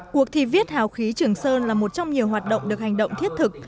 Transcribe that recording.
cuộc thi viết hào khí trường sơn là một trong nhiều hoạt động được hành động thiết thực